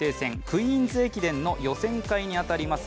クイーンズ駅伝の予選会に当たります